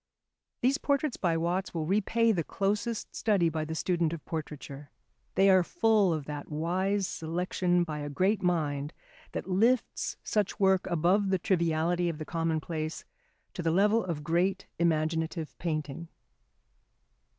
These portraits by Watts will repay the closest study by the student of portraiture. They are full of that wise selection by a great mind that lifts such work above the triviality of the commonplace to the level of great imaginative painting.